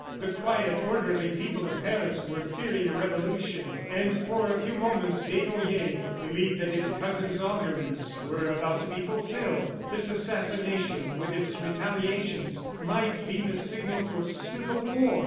... The quiet, orderly people of Paris were fearing a revolution, and for a few moments Desnoyers believed that his cousin's auguries were about to be fulfilled. This assassination, with its retaliations, might be the signal for civil war.